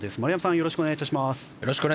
よろしくお願いします。